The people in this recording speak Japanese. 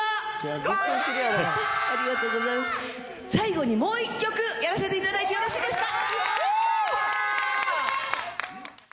最後にもう一曲やらせていただいてよろしいですか？